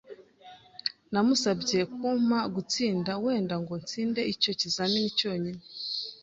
Namusabye kumpa gutsinda, wenda ngo nsinde icyo kizamini cyonyine,